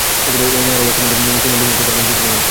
নেহরুর ভাষ্যমতে, সেই নোট কোনো দিনই তাঁর কাছে পেশ করা হয়নি।